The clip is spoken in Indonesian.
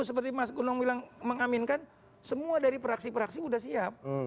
seperti mas gunung bilang mengaminkan semua dari praksi praksi sudah siap